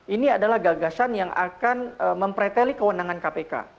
ini adalah gagasan yang akan mempreteli kewenangan kpk